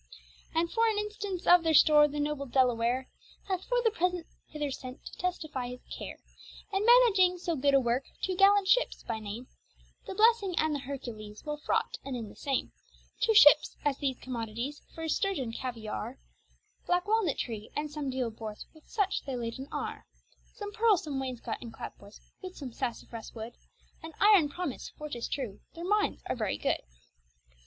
And for an instance of their store, the noble Delaware Hath for the present hither sent, to testify his care In mannaging so good a worke, to gallant ships, by name, The Blessing and the Hercules, well fraught, and in the same Two ships, as these commodities, furres, sturgeon, caviare, Black walnut tree, and some deale boards, with such they laden are; Some pearle, some wainscot and clapboards, with some sassafras wood, And iron promist, for tis true their mynes are very good.